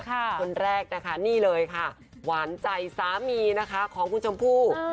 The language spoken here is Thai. คนแรกนะคะนี่เลยค่ะหวานใจสามีนะคะของคุณชมพู่